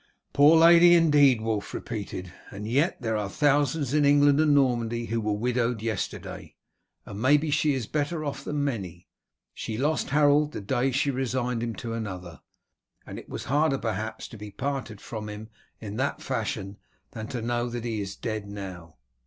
"Poor lady indeed!" Wulf repeated; "and yet there are thousands in England and Normandy who were widowed yesterday, and maybe she is better off than many. She lost Harold the day she resigned him to another, and it was harder perhaps to be parted from him in that fashion than to know that he is dead now.